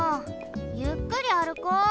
ゆっくりあるこう。